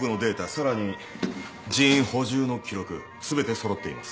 さらに人員補充の記録全て揃っています。